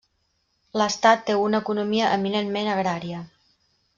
L'estat té una economia eminentment agrària.